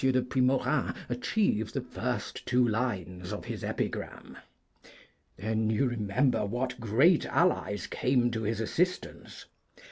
de Puimorin achieve the first two lines of his epigram. Then you remember what great allies came to his assistance.